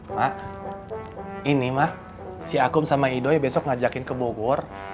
mak ini mah si akum sama ido ya besok ngajakin ke bogor